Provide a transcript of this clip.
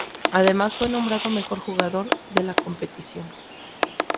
Además fue nombrado mejor jugador de la competición.